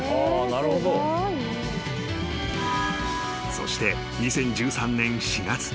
［そして２０１３年４月］